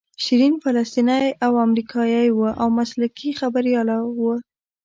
شیرین فلسطینۍ او امریکایۍ وه او مسلکي خبریاله وه.